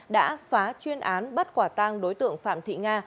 đã phá chuyên án bắt quả tang đối tượng phạm thị nga